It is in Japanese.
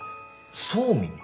そーみん？